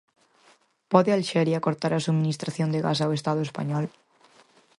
Pode Alxeria cortar a subministración de gas ao Estado español?